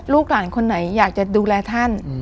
ลูกหลานคนไหนอยากจะดูแลท่าน